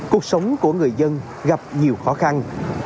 cuộc sống của người dân gặp nhiều khó khăn